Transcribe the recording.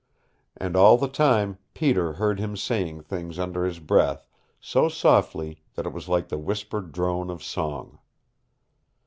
And all the time Peter heard him saying things under his breath, so softly that it was like the whispered drone of song.